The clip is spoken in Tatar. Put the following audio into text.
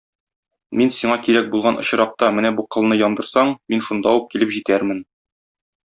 Мин сиңа кирәк булган очракта менә бу кылны яндырсаң, мин шунда ук килеп җитәрмен.